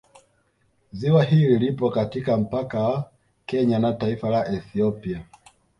Ziwa hili lipo katika mpaka wa Kenya na taifa la Ethiopia